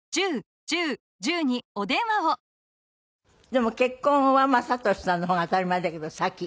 でも結婚は雅俊さんの方が当たり前だけど先？